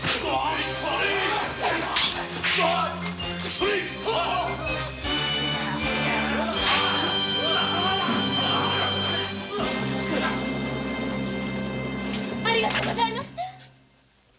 召し捕れぃ！ありがとうございました